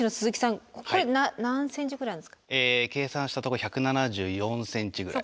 計算したとこ１７４ｃｍぐらい。